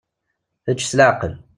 Ečč s leɛqel.